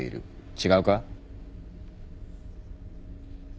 違うか？